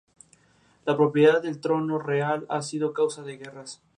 Excavaciones recientes han localizado el altar del templo.